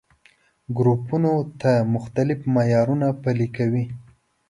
ګروپونو ته مختلف معيارونه پلي کوي.